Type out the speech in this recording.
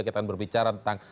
kita akan berbicara tentang